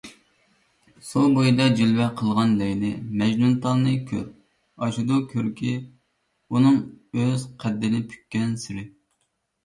سۇ بويىدا جىلۋە قىلغان لەيلى - مەجنۇنتالنى كۆر، ئاشىدۇ كۆركى ئۇنىڭ ئۆز قەددىنى پۈككەنسېرى.